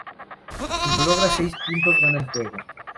Cuando logra seis puntos, gana el juego.